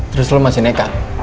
terus lo masih neka